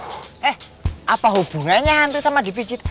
eh apa hubungannya hantu sama dipijit